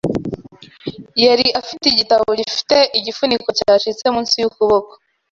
Yari afite igitabo gifite igifuniko cyacitse munsi yukuboko .